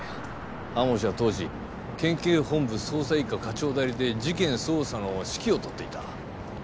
天羽氏は当時県警本部捜査一課課長代理で事件捜査の指揮を執っていた。